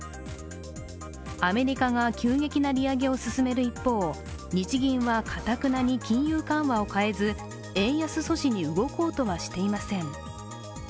アメリカが急激な利上げを進める一方日銀は頑なに金融緩和を変えず円安阻止に動こうとはしていません。